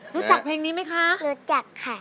เพลงนี้ไหมคะรู้จักค่ะ